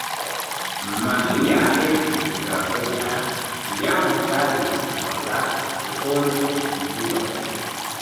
Maria estis graveda, kiam Stalin forlasis tiun ekzilon.